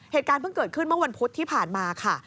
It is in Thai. เหตุการณ์เพิ่งเกิดขึ้นเมื่อวันพุธที่ผ่านมาค่ะ